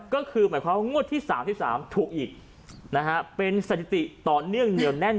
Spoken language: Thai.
ก็คือหมายความว่างวดที่๓๓ถูกอีกนะฮะเป็นสถิติต่อเนื่องเหนียวแน่น